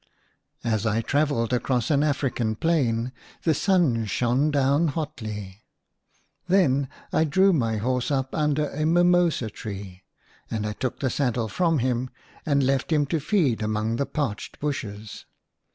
S I travelled across an African plain the sun shone down hotly. Then I drew my horse up under a mimosa tree, and I took the saddle from him and left him to feed among the parched bushes.